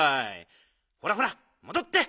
ほらほらもどって！